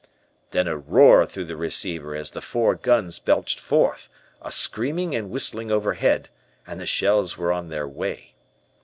"Then a roar through the receiver as the four guns belched forth, a screaming and whistling overhead, and the shells were on their way.